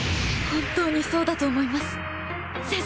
本当にそうだと思います先生！